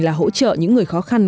là hỗ trợ những người khó khăn